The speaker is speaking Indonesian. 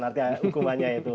artinya hukumannya itu